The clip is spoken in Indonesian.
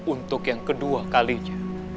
untuk yang kedua kalinya